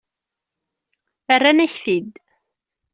Rran-ak-t-id.